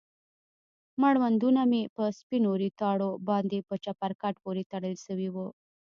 مړوندونه مې په سپينو ريتاړو باندې په چپرکټ پورې تړل سوي وو.